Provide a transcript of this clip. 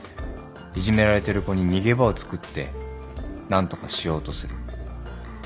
いじめられてる子に逃げ場をつくって何とかしようとする。